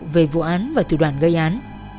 về vụ án và thủ đoàn gây án